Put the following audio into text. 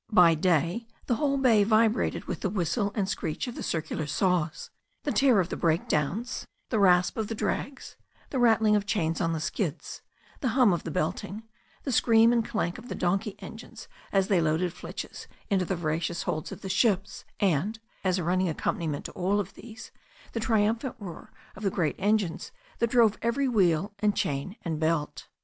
By day the whole bay vibrated with the whistle and screech of the circular saws, the tear of the breakdowns, l\v^ t^'s^ 217 2i8 THE STORY OF A NEW ZEALAND RIVER of the drags, the rattling of chains on the skids, the hum of the belting, the scream and clank of the donkey engines as they loaded flitches into the voracious holds of the ships, and, as a running accompaniment to all these, the trium phant roar of the great engines that drove every wheel and chain and belt.